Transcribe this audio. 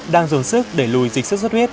đang dùng sức để lùi dịch xuất xuất huyết